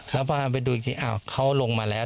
แล้วพาไปดูอีกนิดนึงเขาลงมาแล้ว